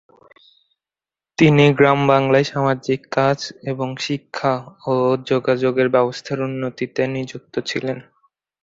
তিনি গ্রামবাংলায় সামাজিক কাজ এবং শিক্ষা ও যোগাযোগ ব্যবস্থার উন্নতিতে নিযুক্ত ছিলেন।